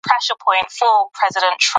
د ډالرو پر ځای افغانۍ چلښت ورکړئ.